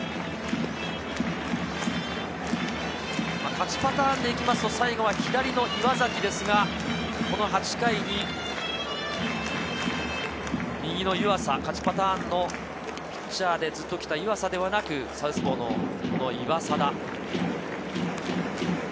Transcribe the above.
勝ちパターンでいきますと最後は左の岩崎ですが、この８回に右の湯浅、勝ちパターンのピッチャーでずっときた湯浅ではなく、サウスポーの岩貞。